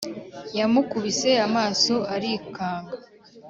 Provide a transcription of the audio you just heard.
yamukubise amaso arikanga